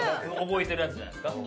覚えてるやつじゃないですか？